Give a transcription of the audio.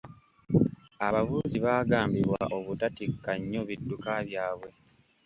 Abavuzi baagambibwa obutatikka nnyo bidduka byabwe.